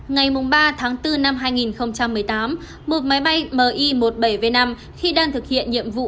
ngày ba tháng bốn năm hai nghìn một mươi tám một máy bay mi một mươi bảy v năm khi đang thực hiện nhiệm vụ